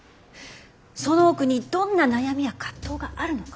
その奥にどんな悩みや葛藤があるのか。